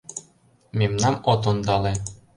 Мемнам от ондале!..